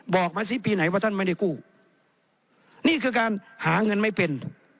บอกมาสิปีไหนว่าท่านไม่ได้กู้นี่คือการหาเงินไม่เป็น